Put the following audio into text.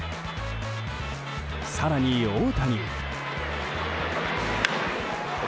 更に、大谷。